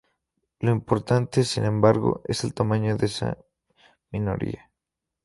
Lo importante, sin embargo, es el tamaño de esa minoría.